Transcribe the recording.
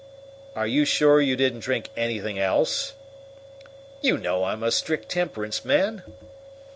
"Are you sure you didn't drink anything else?" "You know I'm a strict temperance man."